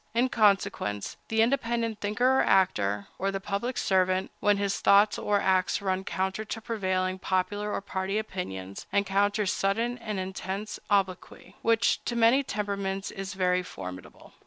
In consequence, the independent thinker or actor, or the public servant, when his thoughts or acts run counter to prevailing popular or party opinions, encounters sudden and intense obloquy, which, to many temperaments, is very formidable.